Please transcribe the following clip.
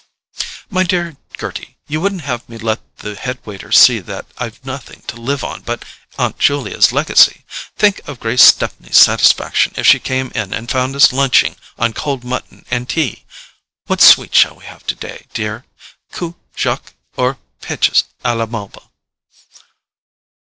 "My dear Gerty, you wouldn't have me let the head waiter see that I've nothing to live on but Aunt Julia's legacy? Think of Grace Stepney's satisfaction if she came in and found us lunching on cold mutton and tea! What sweet shall we have today, dear—COUPE JACQUES or PECHES A LA MELBA?"